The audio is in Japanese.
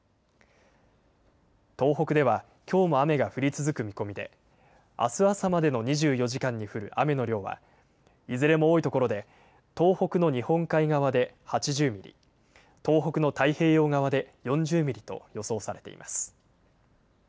東北ではきょうも雨が降り続く見込みであす朝までの２４時間に降る雨の量はいずれも多い所で東北の日本海側で８０ミリ、東北の太平洋側で４０ミリと予想されています。